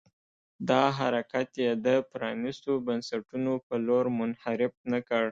دا حرکت یې د پرانيستو بنسټونو په لور منحرف نه کړ.